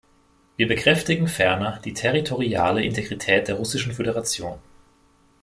Wir bekräftigen ferner die territoriale Integrität der Russischen Föderation.